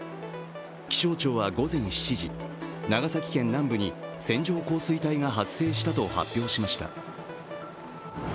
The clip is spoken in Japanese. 気象庁は午前７時長崎県南部に線状降水帯が発生したと発表しました。